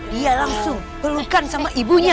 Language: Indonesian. dia langsung pelukan sama ibunya